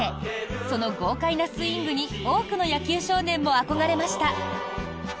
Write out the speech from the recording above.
その豪快なスイングに多くの野球少年も憧れました。